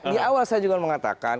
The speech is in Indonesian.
di awal saya juga mengatakan